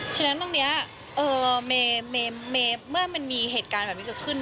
ฉะนั้นตรงนี้เมื่อมันมีเหตุการณ์แบบนี้เกิดขึ้น